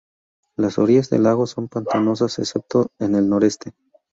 Las orillas del lago son pantanosas excepto en el noroeste.